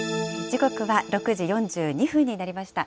時刻は６時４２分になりました。